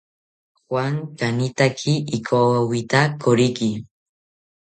Juan kanitaki ikowawita koriki